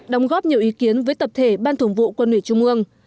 đóng góp nhiều ý kiến với tập thể ban thường vụ quân ủy trung ương